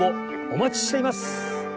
お待ちしています。